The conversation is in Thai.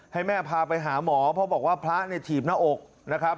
ให้แม่พาไปหาหมอเพราะบอกว่าพระเนี่ยถีบหน้าอกนะครับ